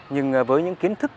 nhưng với những kiến thức